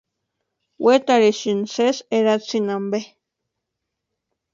Wetarhisïnti sési eratsikuni ampe.